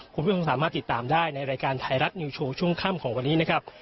คุณผู้ชมสามารถติดตามได้ในรายการไทยรัฐนิวโชว์ช่วงค่ำของวันนี้นะครับ